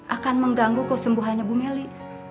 akan mengganggu kesembuhannya bu meli